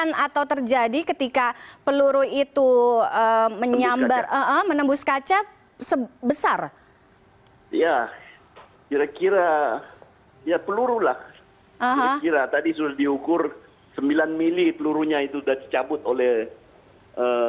kedua anggota dpr tersebut juga tidak mengalami luka